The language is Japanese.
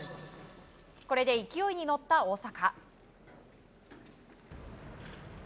これで勢いに乗った大坂。